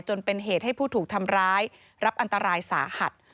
จนเป็นเหตุให้ผู้ถูกทำร้ายรับอันตรายสาหัส